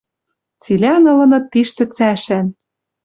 Цилӓн ылыныт тиштӹ цӓшӓн.